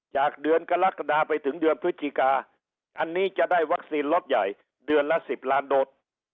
จากเดือนกรกฎาไปถึงเดือนพฤศจิกาอันนี้จะได้วัคซีนล็อตใหญ่เดือนละ๑๐ล้านโดส